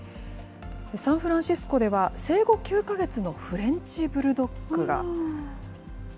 サンフランシスコでは、生後９か月のフレンチブルドッグが。